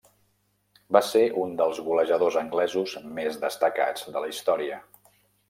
Va ser un dels golejadors anglesos més destacats de la història.